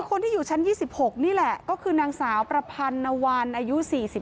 คนที่อยู่ชั้น๒๖นี่แหละก็คือนางสาวประพันนวรรณอายุ๔๓